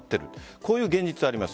こういう現実があります。